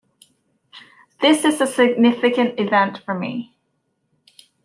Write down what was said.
This is a significant event for me.